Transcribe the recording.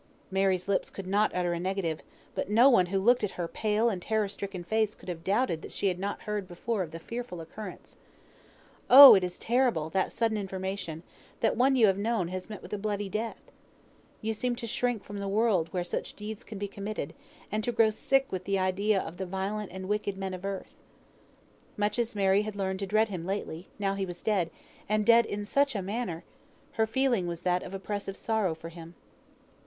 Mary's lips could not utter a negative, but no one who looked at her pale and terror stricken face could have doubted that she had not heard before of the fearful occurrence. Oh, it is terrible, that sudden information, that one you have known has met with a bloody death! You seem to shrink from the world where such deeds can be committed, and to grow sick with the idea of the violent and wicked men of earth. Much as Mary had learned to dread him lately, now he was dead (and dead in such a manner) her feeling was that of oppressive sorrow for him.